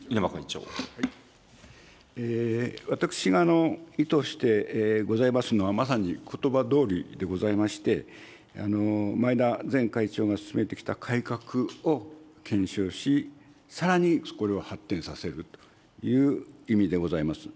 私が意図してございますのは、まさにことばどおりでございまして、前田前会長が進めてきた改革を検証し、さらにこれを発展させるという意味でございます。